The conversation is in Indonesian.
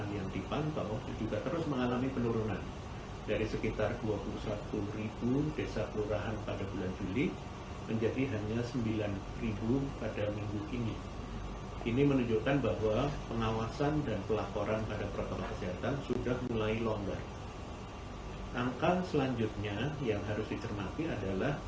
masing masing melalui dashboard kementerian kesehatan yaitu vaccine demptest go id